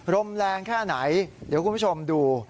ลมแรงแค่ไหนเดี๋ยวคุณผู้ชมดู